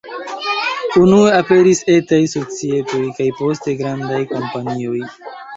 Unue aperis etaj societoj, kaj poste grandaj kompanioj.